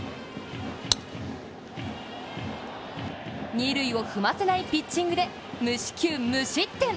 二塁を踏ませないピッチングで無四球無失点。